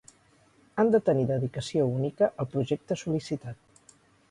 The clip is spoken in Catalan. Han de tenir dedicació única al projecte sol·licitat.